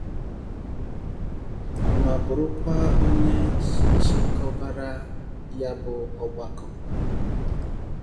ma bụrụkwa onye chịkọbara ya bụ ọgbakọ